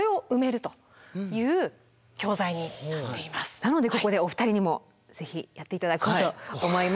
なのでここでお二人にもぜひやって頂こうと思います。